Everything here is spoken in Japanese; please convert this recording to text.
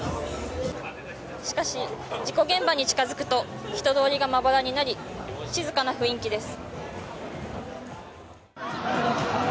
しかし、事故現場に近づくと人通りがまばらになり静かな雰囲気です。